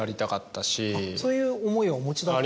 そういう思いはお持ちだった。